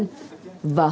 và hơn nữa là